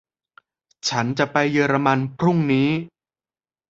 ฉันจะไปเยอรมันพรุ่งนี้